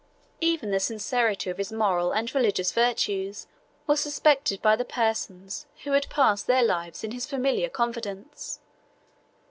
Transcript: Even the sincerity of his moral and religious virtues was suspected by the persons who had passed their lives in his familiar confidence.